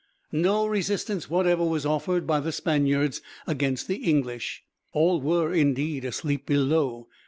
No resistance whatever was offered by the Spaniards against the English. All were, indeed, asleep below.